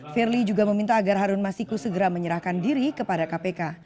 firly juga meminta agar harun masiku segera menyerahkan diri kepada kpk